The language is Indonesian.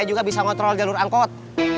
juga bisa ngontrol jalur angkot